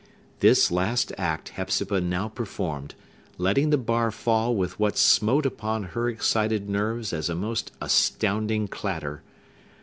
This last act Hepzibah now performed, letting the bar fall with what smote upon her excited nerves as a most astounding clatter.